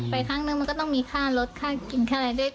ไปครั้งหนึ่งมันก็ต้องมีค่ารถค่าโครงแรก